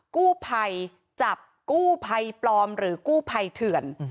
กู้ไพจับกู้ไพปลอมหรือกู้ไพเถื่อน